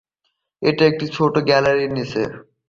এটা ছিল ছোট্ট গ্যালারির নিচে।